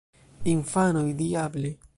Infanoj: "Diable!"